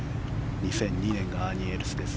２００２年がアーニー・エルスです。